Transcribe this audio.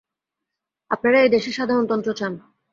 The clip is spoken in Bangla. আপনারা এই দেশে সাধারণতন্ত্র চান।